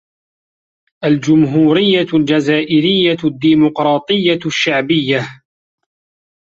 الجمهورية الجزائرية الديمقراطية الشعبية